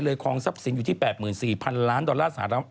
คลองทรัพย์สินอยู่ที่๘๔๐๐๐ล้านดอลลาร์สหรัฐ